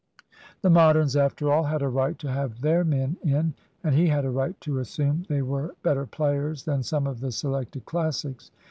The Moderns, after all, had a right to have their men in; and he had a right to assume they were better players than some of the selected Classics.